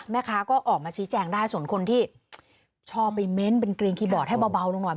แม่ค้าก็ออกมาชี้แจงได้ส่วนคนที่ชอบไปเม้นต์เป็นกรีนคีย์บอร์ดให้เบาลงหน่อย